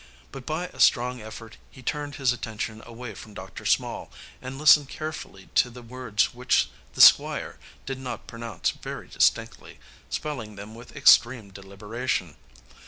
But by a strong effort he turned his attention away from Dr. Small, and listened carefully to the words which the Squire did not pronounce very distinctly, spelling them with extreme deliberation.